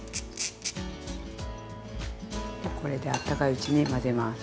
これであったかいうちに混ぜます。